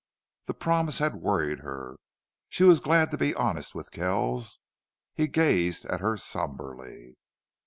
That promise had worried her. She was glad to be honest with Kells. He gazed at her somberly.